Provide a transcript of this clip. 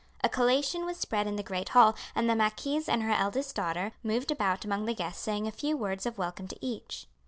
A collation was spread in the great hall, and the marquise and her eldest daughter moved about among the guests saying a few words of welcome to each.